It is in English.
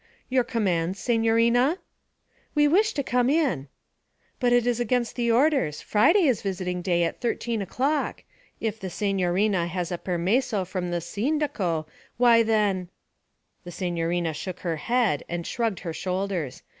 'Your commands, signorina?' 'We, wish to come in.' 'But it is against the orders. Friday is visiting day at thirteen o'clock. If the signorina had a permesso from the sindaco, why then ' The signorina shook her head and shrugged her shoulders.